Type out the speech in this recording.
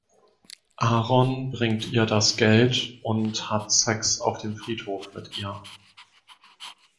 Aaron bringt ihr das Geld und hat Sex auf dem Friedhof mit ihr.